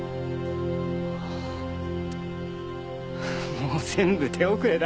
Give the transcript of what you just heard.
もう全部手遅れだ。